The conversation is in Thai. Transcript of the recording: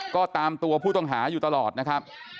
ก็ตามตัวผู้ต้องหาอยู่ตลอดนะครับ